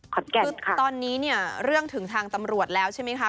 คือตอนนี้เนี่ยเรื่องถึงทางตำรวจแล้วใช่ไหมคะ